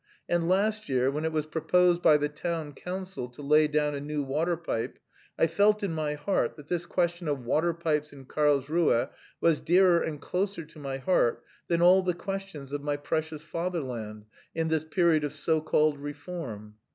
And last year, when it was proposed by the town council to lay down a new water pipe, I felt in my heart that this question of water pipes in Karlsruhe was dearer and closer to my heart than all the questions of my precious Fatherland... in this period of so called reform."